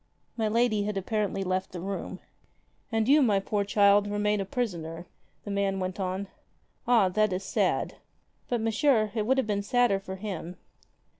My lady had apparently left the room. "And you, my poor child, remain a prisoner," the man went on. ''Ah, that is sad." "But, Monsieur, it would have been sadder for him."